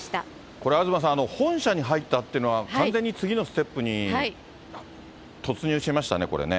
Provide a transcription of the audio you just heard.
これ、東さん、本社に入ったっていうのは、完全に次のステップに突入しましたね、これね。